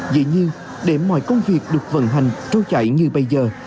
dĩ nhiên để mọi công việc được vận hành tru chảy như bây giờ